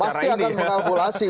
pasti akan mengkalkulasi